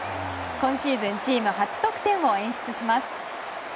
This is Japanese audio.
今シーズンチーム初得点を演出します。